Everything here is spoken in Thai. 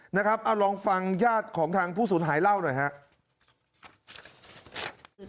นะครับเอาลองฟังญาติของทางผู้สูญหายเล่าหน่อยครับ